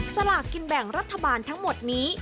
สลากกินแบ่งรัฐบาลทั้งหมดนี้